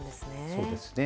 そうですね。